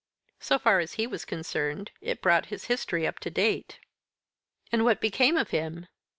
So far as he was concerned, it brought his history up to date." "And what became of him?"